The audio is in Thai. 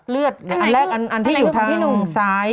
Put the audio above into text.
เลือดอันแรกอันที่อยู่ทางซ้าย